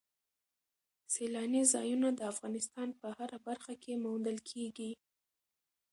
سیلانی ځایونه د افغانستان په هره برخه کې موندل کېږي.